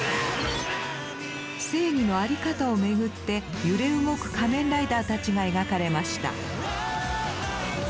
正義の在り方をめぐって揺れ動く仮面ライダーたちが描かれました。